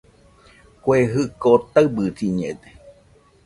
Kue jɨko taɨbɨsiñede